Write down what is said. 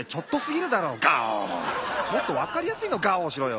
もっとわかりやすいのガオしろよ！